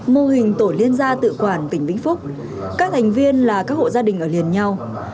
mô hình tổ liên gia tự quản tỉnh vĩnh phúc